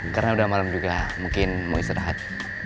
karena udah malam juga mungkin mau istirahat